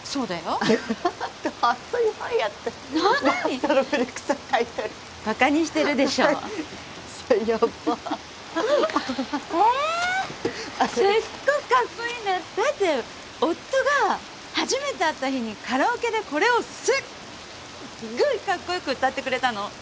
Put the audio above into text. だって夫が初めて会った日にカラオケでこれをすっごいかっこよく歌ってくれたの。